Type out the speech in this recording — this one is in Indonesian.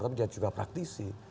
tapi dia juga praktisi